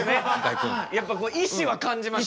やっぱ意志は感じました。